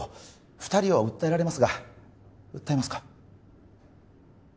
二人を訴えられますが訴えますか？